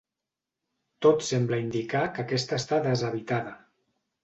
Tot sembla indicar que aquesta està deshabitada.